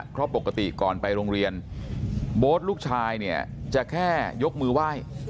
เพราะปกติก่อนไปโรงเรียนโบ๊ทลูกชายเนี่ยจะแค่ยกมือไหว้